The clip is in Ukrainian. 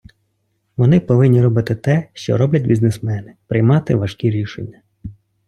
Вони повинні робити те, що роблять бізнесмени - приймати важкі рішення.